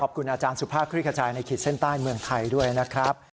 ขอบคุณอาจารย์สุภาพคลิกขจายในขีดเส้นใต้เมืองไทยด้วยนะครับ